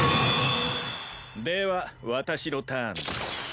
では私のターン。